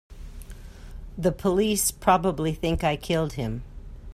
The police probably think I killed him.